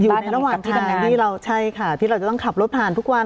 อยู่ระหว่างทางที่เราใช่ค่ะที่เราจะต้องขับรถผ่านทุกวัน